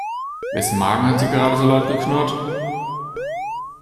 Wessen Magen hat hier gerade so laut geknurrt?